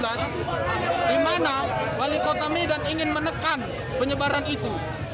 di mana wali kota medan ingin menekan penyebaran itu